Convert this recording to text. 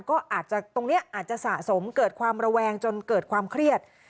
ก็อาจจะตรงนี้อาจจะสะสมเกิดความระแวงจนเกิดความเครียด